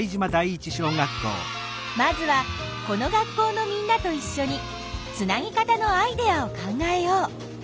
まずはこの学校のみんなといっしょにつなぎ方のアイデアを考えよう。